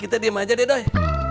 kita diem aja deh dah